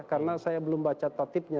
karena saya belum baca tatipnya